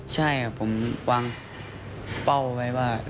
ใช่ผมวางเป้าไว้ว่า